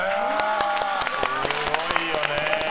すごいよね。